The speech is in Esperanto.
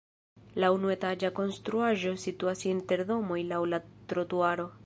La unuetaĝa konstruaĵo situas inter domoj laŭ la trotuaro.